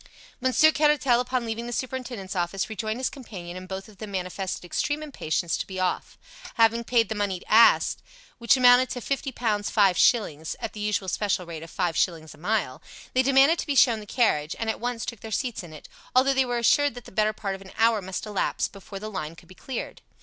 Monsieur Caratal, upon leaving the superintendent's office, rejoined his companion, and both of them manifested extreme impatience to be off. Having paid the money asked, which amounted to fifty pounds five shillings, at the usual special rate of five shillings a mile, they demanded to be shown the carriage, and at once took their seats in it, although they were assured that the better part of an hour must elapse before the line could be cleared.